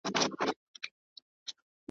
زموږ دي ژوندون وي د مرګ په خوله کي `